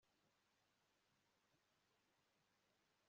ntabwo nzagenda